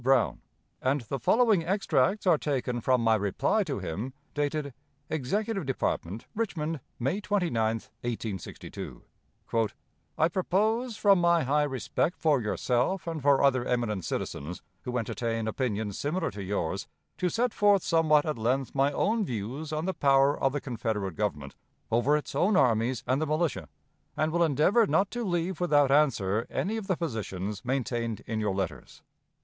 Brown, and the following extracts are taken from my reply to him, dated Executive Department, Richmond, May 29, 1862. "I propose, from my high respect for yourself and for other eminent citizens who entertain opinions similar to yours, to set forth somewhat at length my own views on the power of the Confederate Government over its own armies and the militia, and will endeavor not to leave without answer any of the positions maintained in your letters.